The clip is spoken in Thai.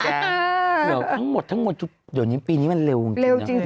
ทั้งหมดทั้งหมดปีนี้มันเร็วจริง